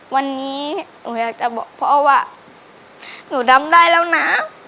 วันนี้หนูอยากจะบอกพ่อว่าหนูดำได้แล้วนะ